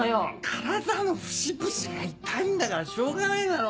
体の節々が痛いんだからしょうがないだろ。